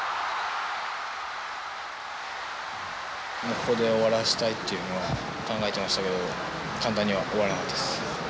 ここで終わらせたいっていうのは考えてましたけど簡単には終わらなかったです。